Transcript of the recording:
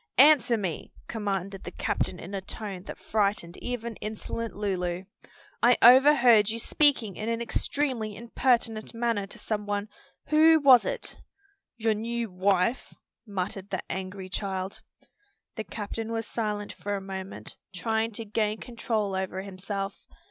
"Answer me!" commanded the captain in a tone that frightened even insolent Lulu. "I overheard you speaking in an extremely impertinent manner to some one. Who was it?" "Your new wife," muttered the angry child. The captain was silent for a moment, trying to gain control over himself.